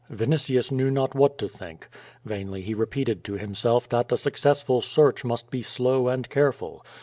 Yinitius knew not what to think. Vainly he repeated to himself that a successful search must be slow and careful.